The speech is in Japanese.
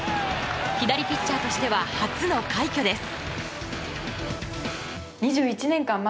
左ピッチャーとしては初の快挙です。